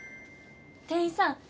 店員さん。